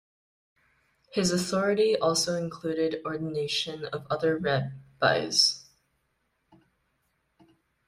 His authority also included ordination of other rabbis.